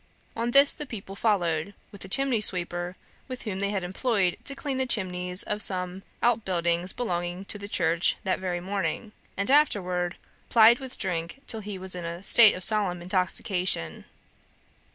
On this the people followed, with a chimney sweeper, whom they had employed to clean the chimneys of some out buildings belonging to the church that very morning, and afterward plied with drink till he was in a state of solemn intoxication.